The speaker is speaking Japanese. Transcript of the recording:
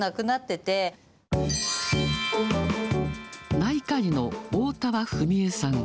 内科医のおおたわ史絵さん。